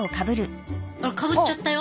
あっかぶっちゃったよ。